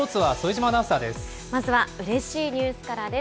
まずはうれしいニュースからです。